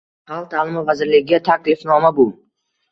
Xalq ta'limi vazirligiga taklifnoma Bu